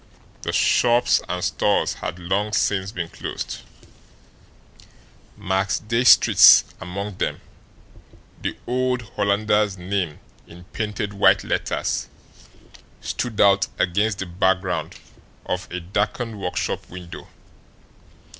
The shops and stores had long since been closed, Max Diestricht's among them the old Hollanders' name in painted white letters stood out against the background of a darkened workshop window.